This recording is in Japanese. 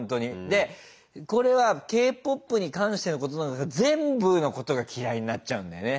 でこれはＫ−ＰＯＰに関してのことなんですけど全部のことが嫌いになっちゃうんだよね。